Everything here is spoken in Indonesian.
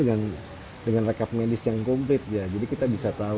untung kondisi perlikuan penyembuhan kesan